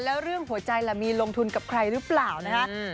แล้วเรื่องหัวใจล่ะมีลงทุนกับใครหรือเปล่านะคะ